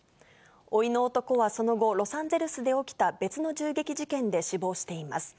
おいの男はその後、ロサンゼルスで起きた別の銃撃事件で死亡しています。